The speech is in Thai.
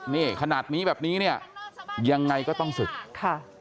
นี่ขนาดนี้แบบนี้เนี่ยยังไงก็ต้องศึกค่ะ